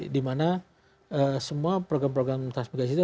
dimana semua program program transmigrasi itu